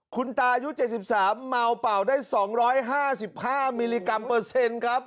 คุณตายุ๗๓เมาเป่าได้๒๕๕มิลลิกรัมเปอร์เซ็นต์ครับ